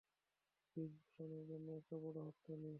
Bridge ভুশানের জন্যে একটা বড় হাততালি।